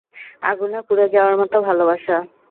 আগুনে পুড়ে যাওয়ার মত ভালোবাসা।